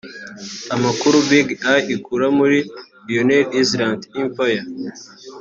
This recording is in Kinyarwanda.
Amakuru BigEye ikura muri Leone Island Empire